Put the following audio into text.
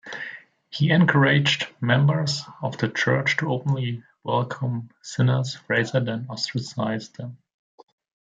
He encouraged members of the church to openly welcome sinners rather than ostracize them.